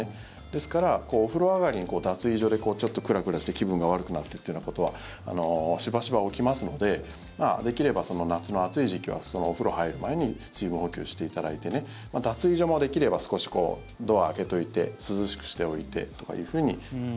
ですからお風呂上がりに脱衣所でちょっとクラクラして気分が悪くなってということはしばしば起きますのでできれば夏の暑い時期はお風呂入る前に水分補給していただいて脱衣所もできれば少しドアを開けておいて涼しくしておいてというふうに。